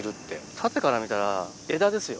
縦から見たら枝ですよ。